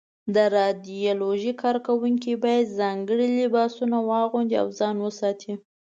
د رادیالوجۍ کارکوونکي باید ځانګړي لباسونه واغوندي او ځان وساتي.